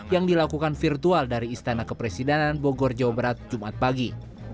yang dilakukan virtual dari istana kepresidenan bogor jawa barat jumat pagi